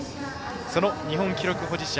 その日本記録保持者